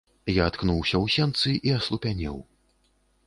Я ткнуўся ў сенцы і аслупянеў.